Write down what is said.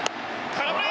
空振り！